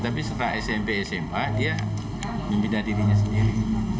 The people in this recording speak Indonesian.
tapi setelah smp sma dia membina dirinya sendiri